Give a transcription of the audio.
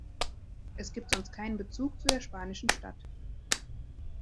Es gibt sonst keinen Bezug zu der spanischen Stadt.